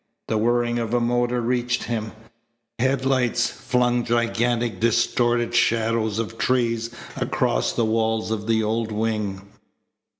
The whirring of a motor reached him. Headlights flung gigantic, distorted shadows of trees across the walls of the old wing.